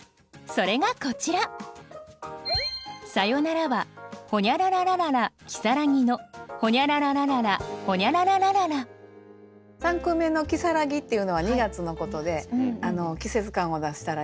それがこちら三句目の「きさらぎ」っていうのは２月のことで季節感を出したらいいかな。